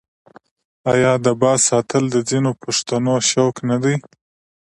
آیا د باز ساتل د ځینو پښتنو شوق نه دی؟